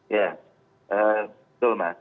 ya betul mas